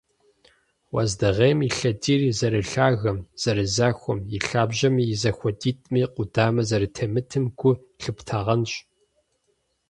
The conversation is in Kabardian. Уэздыгъейм и лъэдийр зэрылъагэм, зэрызахуэм, и лъабжьэми и зэхуэдитӀми къудамэ зэрытемытым гу лъыптагъэнщ.